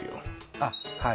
あっはい